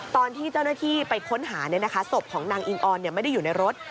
ตอนที่เจ้าหน้าที่ไปค้นหาศพของนางอิงออนไม่ได้อยู่ในรถ